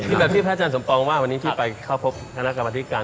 มีแบบที่พระอาจารย์สมปองว่าวันนี้ที่ไปเข้าพบคณะกรรมธิการ